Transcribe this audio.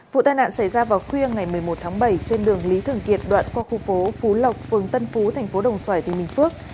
vụ tai nạn xảy ra vào khuya ngày một mươi một tháng bảy trên đường lý thường kiệt đoạn qua khu phố phú lộc phường tân phú thành phố đồng xoài tỉnh bình phước